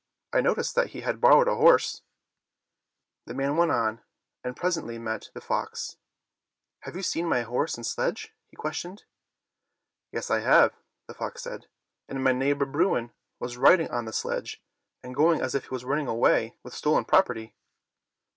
I noticed that he had a borrowed horse." The man went on and presently met the 173 Fairy Tale Bears fox. "Have you seen my horse and sledge.^" he questioned. " Yes, I have," the fox said, " and my neigh bor Bruin was riding on the sledge and going as if he was running away with stolen prop erty."